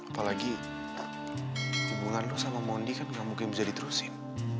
apalagi hubungan kamu dengan mondi tidak mungkin bisa diteruskan